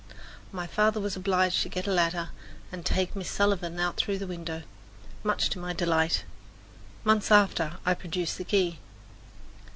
My father was obliged to get a ladder and take Miss Sullivan out through the window much to my delight. Months after I produced the key.